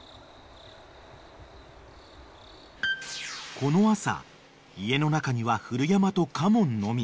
この朝家の中には古山と嘉門のみ］